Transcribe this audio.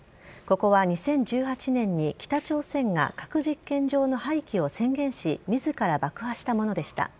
ここは２０１８年に北朝鮮が核実験場の廃棄を宣言し自ら爆破したものでした。